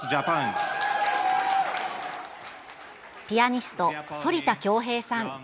ピアニスト、反田恭平さん。